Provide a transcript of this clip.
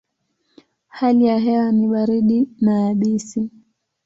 Hali ya hewa ni baridi na yabisi.